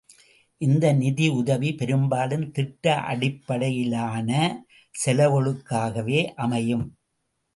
இந்த நிதி உதவி பெரும்பாலும் திட்ட அடிப்படையினாலான செலவுகளுக்காகவே அமையும்.